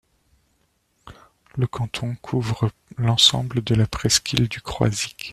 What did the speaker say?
Le canton couvre l'ensemble de la presqu'île du Croisic.